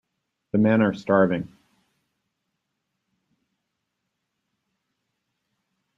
The men are starving.